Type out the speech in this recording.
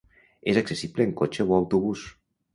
És accessible amb cotxe o autobús.